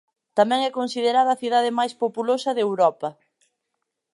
Tamén é considerada a cidade máis populosa de Europa.